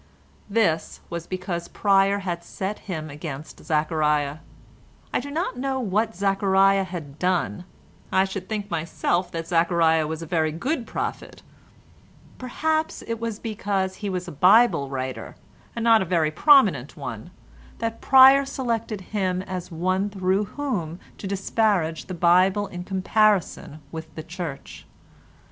This was because Pryer had set him against Zechariah. I do not know what Zechariah had done; I should think myself that Zechariah was a very good prophet; perhaps it was because he was a Bible writer, and not a very prominent one, that Pryer selected him as one through whom to disparage the Bible in comparison with the Church.